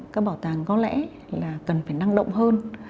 các bảo tàng có lẽ là cần phải năng động hơn